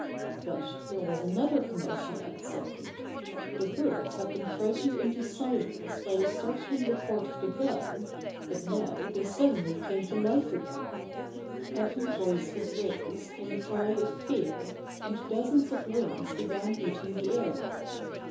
But there was another commotion outside. The birds had been frightened into silence by the startling report of the gun, but now they 81 82 Bobby Gray Squirrel's Adventures suddenly came to life again. Every voice was raised in a cry of fear, and dozens of wings began beating the air.